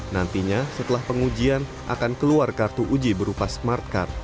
nantinya setelah pengujian akan keluar kartu uji berupa smartcard